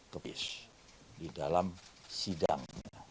ke bis di dalam sidang